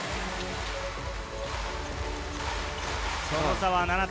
その差は７点。